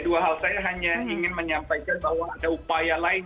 dua hal saya hanya ingin menyampaikan bahwa ada upaya lain